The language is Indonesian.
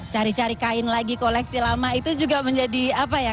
cari cari kain lagi koleksi lama itu juga menjadi apa ya